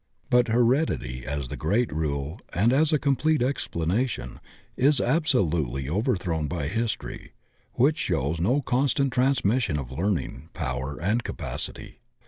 But heredity as the great rule and as a complete explanation is absolutely overthrown by history, which shows no constant transmission of learning, power, and capacity.